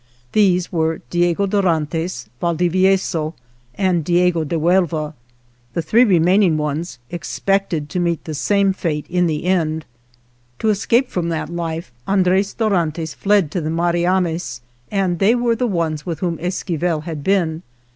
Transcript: These were Diego Dorantes, Valdivieso and Diego de Huelva. The three remaining ones ex pected to meet the same fate in the end. To escape from that life Andres Dorantes fled to the Mariames, and they were the ones with whom Esquivel had been.